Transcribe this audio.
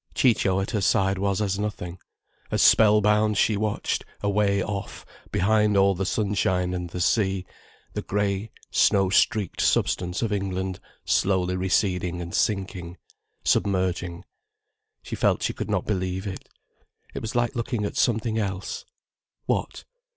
Ciccio at her side was as nothing, as spell bound she watched, away off, behind all the sunshine and the sea, the grey, snow streaked substance of England slowly receding and sinking, submerging. She felt she could not believe it. It was like looking at something else. What?